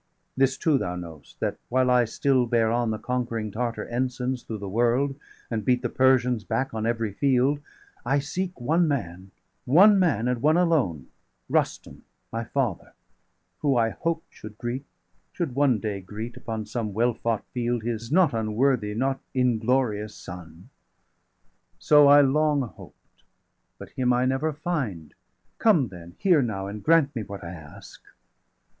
°45 This too thou know'st, that while I still bear on The conquering Tartar ensigns through the world, And beat the Persians back on every field, I seek one man, one man, and one alone Rustum, my father; who I hoped should greet, 50 Should one day greet, upon some well fought field, His not unworthy, not inglorious son. So I long hoped, but him I never find. Come then, hear now, and grant me what I ask.